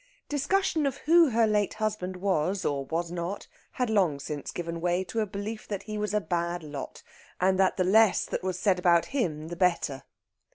Discussion of who her late husband was, or was not, had long since given way to a belief that he was a bad lot, and that the less that was said about him the better.